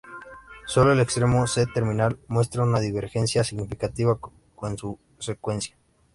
Solo el extremo C-terminal muestra una divergencia significativa en su secuencia.